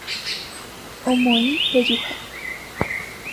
Omoĩ pejuha